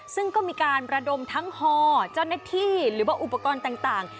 ซึ่งก็มีการระดมทั้งฮอเจ้าหน้าที่หรือว่าอุปกรณ์ต่าง